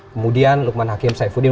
kemudian lukman hakim saifuddin